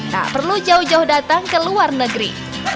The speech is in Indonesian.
tak perlu jauh jauh datang ke luar negeri